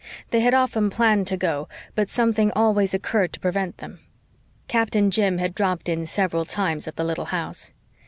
They had often planned to go, but something always occurred to prevent them. Captain Jim had "dropped in" several times at the little house.